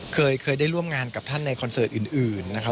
เคยได้ร่วมงานกับท่านในคอนเสิร์ตอื่นนะครับ